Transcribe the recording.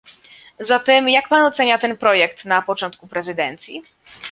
Zatem jak pan ocenia ten projekt na początku prezydencji?